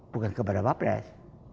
bukan kepada wabres